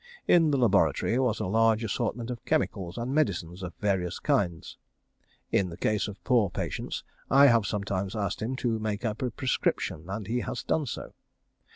In the laboratory was a large assortment of chemicals and medicines of various kinds. In the case of poor patients, I have sometimes asked him to make up a prescription, and he has done so.